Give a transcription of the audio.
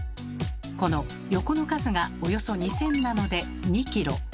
この横の数がおよそ２，０００なので２キロ２Ｋなのです。